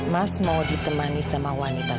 mas mau ditemani sama wanita